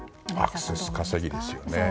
アクセス稼ぎですよね。